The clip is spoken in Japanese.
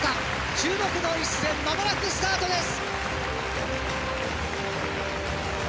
注目の一戦間もなくスタートです。